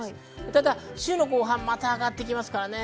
ただ週の後半また上がってきますからね。